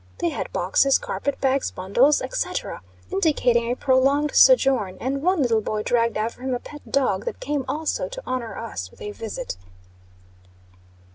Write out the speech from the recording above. They had boxes, carpet bags, bundles, &c., indicating a prolonged sojourn, and one little boy dragged after him a pet dog, that came also to honor us with a visit.